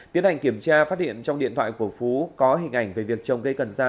tiến hành kiểm tra phát điện trong điện thoại của phú có hình ảnh về việc trồng cây cần da